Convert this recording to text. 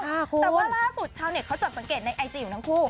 แต่ว่าล่าสุดชาวเน็ตเขาจับสังเกตในไอจีของทั้งคู่